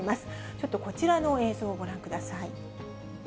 ちょっとこちらの映像をご覧ください。